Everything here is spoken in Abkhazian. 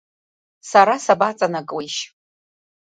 Сара сабаҵанакуеишь?